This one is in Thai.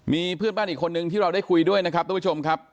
มีเพื่อนบ้านอีกคนนึงที่เราได้คุยด้วยนะครับทุกผู้ชมครับ